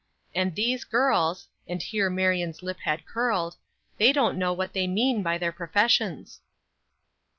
And these girls" (and here Marion's lip had curled), "they don't know what they mean by their professions."